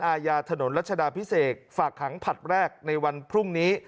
อาญาถนนรัชดาพิเศษฝากขังผลัดแรกในวันพรุ่งนี้